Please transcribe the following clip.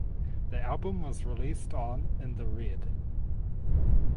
The album was released on In the Red.